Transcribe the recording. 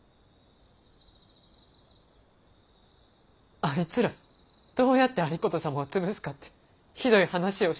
あいつらどうやって有功様を潰すかってひどい話をしてて。